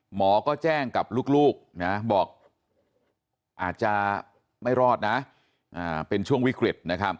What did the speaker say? หมอก็แจ้งกับลูกนะบอกอาจจะไม่รอดนะเป็นช่วงวิกฤตนะครับ